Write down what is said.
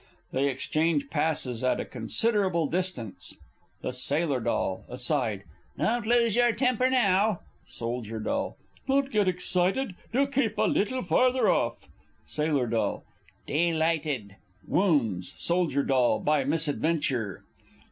[They exchange passes at a considerable distance. The Sailor D. (aside). Don't lose your temper now! Sold. D. Don't get excited. Do keep a little farther off! Sail. D. Delighted! [Wounds Soldier D. _by misadventure.